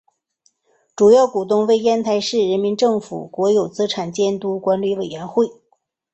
主要股东为烟台市人民政府国有资产监督管理委员会。